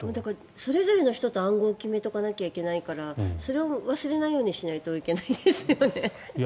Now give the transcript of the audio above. それぞれの人と暗号を決めておかないといけないからそれを忘れないようにしないといけないですよね。